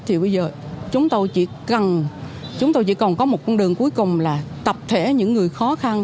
thì bây giờ chúng tôi chỉ cần chúng tôi chỉ còn có một con đường cuối cùng là tập thể những người khó khăn